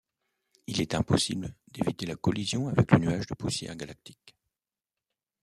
Il est impossible d'éviter la collision avec le nuage de poussière galactique.